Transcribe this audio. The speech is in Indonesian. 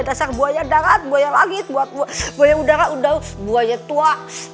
dasar buahnya darat buaya lagi buat buaya udara udah buaya tua